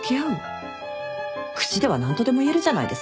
口では何とでも言えるじゃないですか。